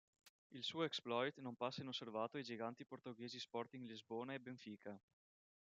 Il suo exploit non passa inosservato ai giganti portoghesi Sporting Lisbona e Benfica.